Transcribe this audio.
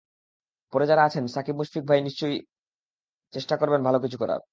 পরে যাঁরা আছেন সাকিব-মুশফিক ভাই নিশ্চয়ই চেষ্টা করবেন ভালো কিছু করার।